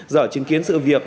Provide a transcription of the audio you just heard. dở chứng kiến sự việc